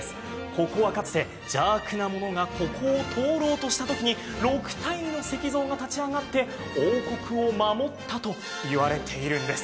ここはかつて、邪悪なものがここを通ろうとしたときに、６体の石像が立ち上がって王国を守ったと言われているんです。